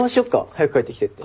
早く帰ってきてって。